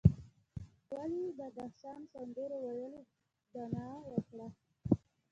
ښکلي بدخشان سندرو ویلو بنا وکړه.